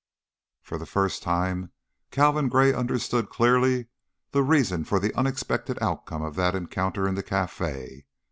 For the first time Calvin Gray understood clearly the reason for the unexpected outcome of that encounter in the cafe.